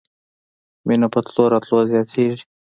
مینه په تلو راتلو زیاتیږي